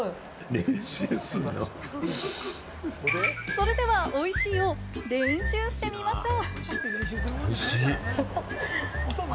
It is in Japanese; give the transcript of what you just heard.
それでは、おいしいを練習してみましょう。